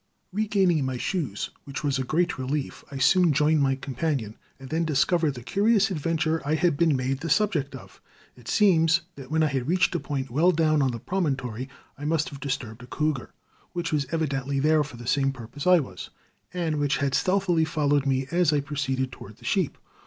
Regaining my shoes, which was a great relief, I soon joined my companion, and then discovered the curious adventure I had been made the subject of. It seems that when I had reached a point well down on the promontory I must have disturbed a cougar, which was evidently there for the same purpose I was, and which had stealthily followed me as I proceeded toward the sheep.